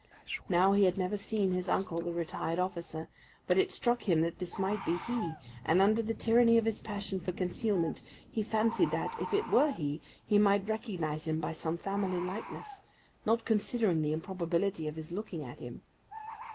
Now he had never seen his uncle the retired officer, but it struck him that this might be he; and under the tyranny of his passion for concealment, he fancied that, if it were he, he might recognise him by some family likeness not considering the improbability of his looking at him.